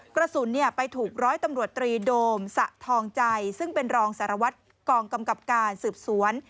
กระสุนไปถูกร้อยตำรวจตรีโดมสะทองใจซึ่งเป็นรองสารวัตรกองกำกับการสืบสวน